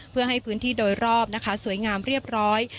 เพื่อให้พื้นที่โดยรอบนะคะสวยงามเรียบร้อย